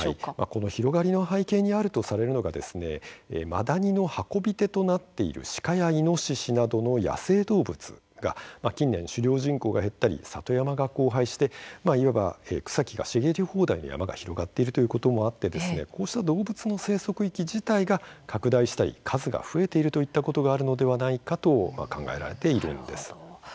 この広がりの背景としてはマダニを運び手となっている鹿やイノシシなどの野生動物が近年、狩猟人口が減ったり里山が荒廃していわば草木が茂り放題の山が広がっているということによってこの野生動物の生息域が拡大したり、数も増えているといったことがあると考えられているんです。